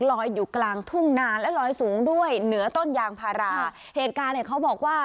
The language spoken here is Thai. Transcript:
ลอยอยู่กลางทุ่งนาและลอยสูงด้วยเหนือต้นยางพาราเหตุการณ์เนี่ยเขาบอกว่า